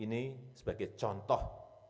ini sebagai contoh